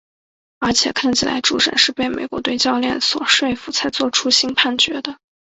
而且看起来主审是被美国队教练所说服才做出新判决的。